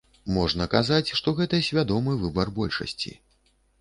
Можна казаць, што гэта свядомы выбар большасці.